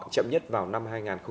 chậm nhất vào năm hai nghìn ba mươi năm